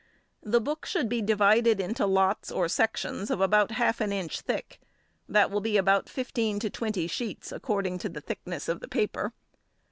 ] The book should be divided into lots or sections of about half an inch thick, that will be about fifteen to twenty sheets, according to the thickness of paper.